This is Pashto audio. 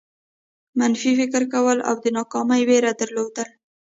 منفي فکر کول او د ناکامۍ وېره درلودل.